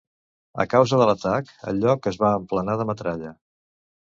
A causa de l'atac, el lloc es va emplenar de metralla.